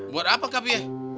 buat apa kavieh